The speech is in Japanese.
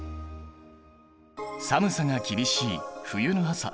寒さが厳しい冬の朝。